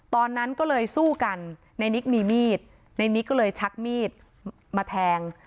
ตอนนั้นก็เลยสู้กันในนิกมีมีดในนิกก็เลยชักมีดมาแทง